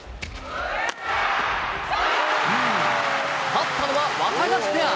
勝ったのはワタガシペア。